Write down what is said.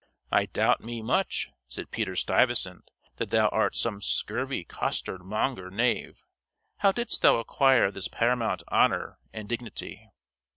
"I doubt me much," said Peter Stuyvesant, "that thou art some scurvy costard monger knave: how didst thou acquire this paramount honor and dignity?"